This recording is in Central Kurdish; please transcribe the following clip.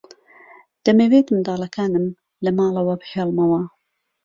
دەمەوێت منداڵەکانم لە ماڵەوە بهێڵمەوە.